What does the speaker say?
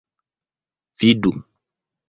vidu